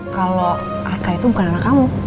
kalau arka itu bukan anak kamu